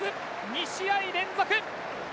２試合連続！